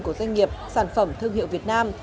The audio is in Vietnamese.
của doanh nghiệp sản phẩm thương hiệu việt nam